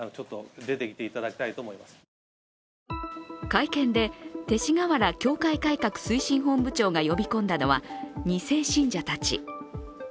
会見で勅使河原教会改革本部長が呼び込んだのは２世信者たち。